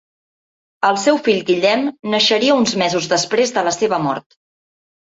El seu fill Guillem naixeria uns mesos després de la seva mort.